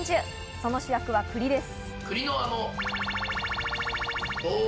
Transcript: その主役は栗です。